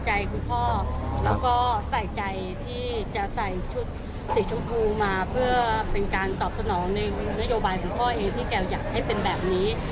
คุณพ่อแล้วก็ใส่ใจที่จะใส่ชุดสีชมพูมาเพื่อเป็นการตอบสนองในนโยบายของพ่อเองที่แกวอยากให้เป็นแบบนี้